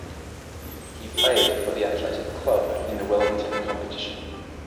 He played for the Athletic Club in the Wellington competition.